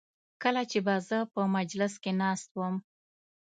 کله چې به زه په مجلس کې ناست وم.